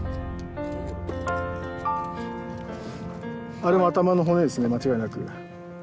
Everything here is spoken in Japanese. あれは頭の骨ですね間違いなく。